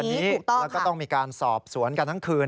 แล้วก็ต้องมีการสอบสวนกันทั้งคืน